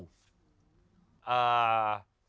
พ่อผมเนี่ย